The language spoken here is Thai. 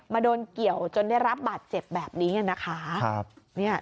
โดนเกี่ยวจนได้รับบาดเจ็บแบบนี้นะคะ